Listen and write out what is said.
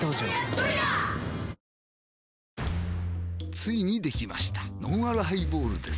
ついにできましたのんあるハイボールです